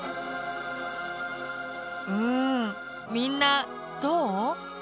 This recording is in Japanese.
うんみんなどう？